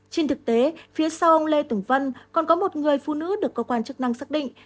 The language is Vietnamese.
trên thực tế phía sau ông lê tùng vân còn có một người phụ nữ được cơ quan chức năng xác định